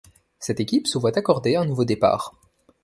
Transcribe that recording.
Cette équipe se voit accorder un nouveau départ.